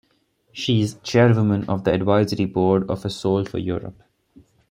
She is Chairwoman of the Advisory Board of A Soul for Europe.